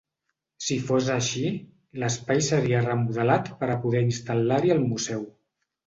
Si fos així, l’espai seria remodelat per a poder instal·lar-hi el museu.